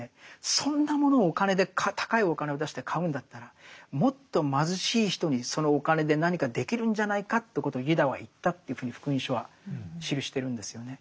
そんなものをお金で高いお金を出して買うんだったらもっと貧しい人にそのお金で何かできるんじゃないかということをユダは言ったというふうに「福音書」は記してるんですよね。